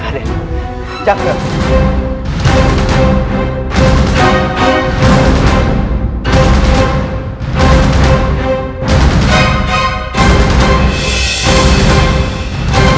kau tidak mau melawanku